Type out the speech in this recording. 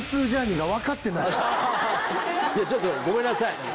ちょっとごめんなさい。